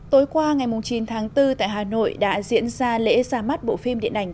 tối qua ngày chín tháng bốn tại hà nội đã diễn ra lễ ra mắt bộ phim điện ảnh